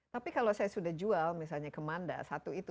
tapi kalau saya sudah jual misalnya ke manda satu itu